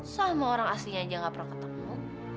sama orang aslinya aja gak pernah ketemu